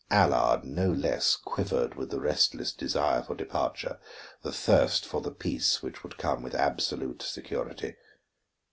Allard no less quivered with the restless desire for departure, the thirst for the peace which would come with absolute security.